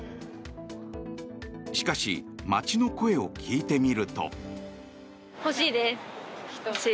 しかし街の声を聞いてみると。